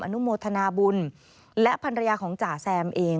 นุโมทนาบุญและภรรยาของจ่าแซมเอง